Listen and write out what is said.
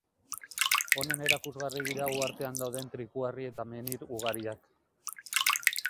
Honen erakusgarri dira uhartean dauden trikuharri eta menhir ugariak.